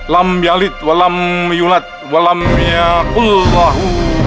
lam yalit walam yulat walam ya kullahu